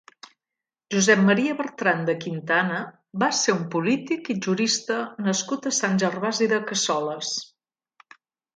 Josep Maria Bertran de Quintana va ser un polític i jurista nascut a Sant Gervasi de Cassoles.